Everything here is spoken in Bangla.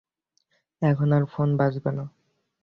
এখন আর ফোন বাজবে না।